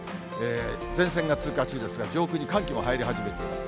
前線が通過中ですが、上空に寒気も入り始めています。